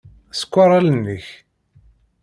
Ṣekkeṛ allen-ik.